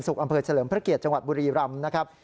ศุกร์อำเภอเจริญพระเกียร์จังหวัดบุรีรัมพ์